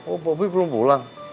oh bobi belum pulang